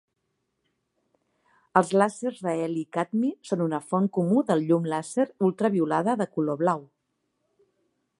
Els làsers de heli i cadmi són una font comú de llum làser ultraviolada de color blau.